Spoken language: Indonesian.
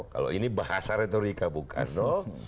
kalau ini bahasa retorika bung karno